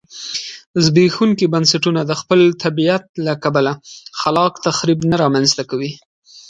زبېښونکي بنسټونه د خپل طبیعت له کبله خلاق تخریب نه رامنځته کوي